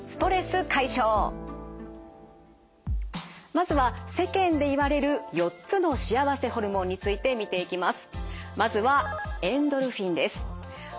まずは世間でいわれる４つの幸せホルモンについて見ていきます。